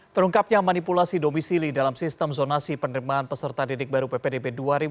terungkapnya manipulasi domisili dalam sistem zonasi penerimaan peserta didik baru ppdb dua ribu dua puluh